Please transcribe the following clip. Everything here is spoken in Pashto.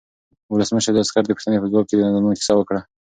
ولسمشر د عسکر د پوښتنې په ځواب کې د زندان کیسه وکړه.